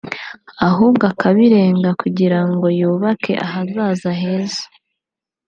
ahubwo akabirenga kugira ngo yubake ahazaza heza